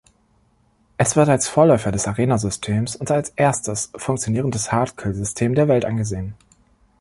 Es wird als Vorläufer des Arena-Systems und als erstes funktionierendes "Hardkill-System" der Welt angesehen.